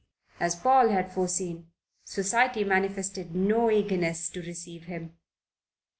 As Paul had foreseen, Society manifested no eagerness to receive him.